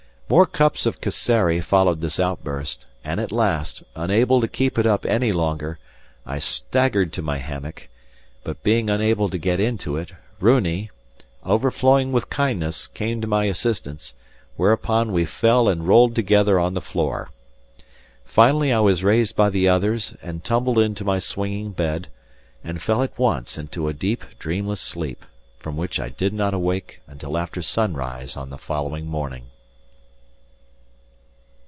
More cups of casserie followed this outburst; and at last, unable to keep it up any longer, I staggered to my hammock; but being unable to get into it, Runi, overflowing with kindness, came to my assistance, whereupon we fell and rolled together on the floor. Finally I was raised by the others and tumbled into my swinging bed, and fell at once into a deep, dreamless sleep, from which I did not awake until after sunrise on the following morning.